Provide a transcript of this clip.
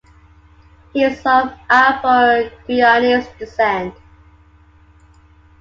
He is of Afro-Guyanese descent.